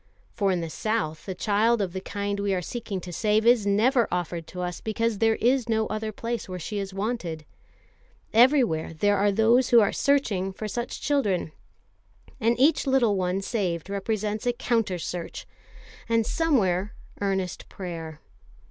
For in the South the child of the kind we are seeking to save is never offered to us because there is no other place where she is wanted. Everywhere there are those who are searching for such children; and each little one saved represents a counter search, and somewhere, earnest prayer.